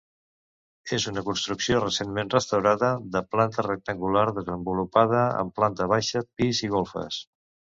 És una construcció, recentment restaurada, de planta rectangular desenvolupada en planta baixa, pis i golfes.